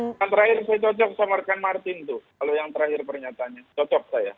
yang terakhir saya cocok sama rekan martin tuh kalau yang terakhir pernyatanya cocok saya